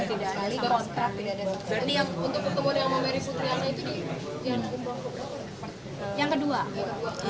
ini untuk pertemuan dengan merry putri apa itu di